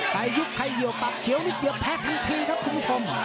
ยุบใครเหี่ยวปากเขียวนิดเดียวแพ้ทันทีครับคุณผู้ชม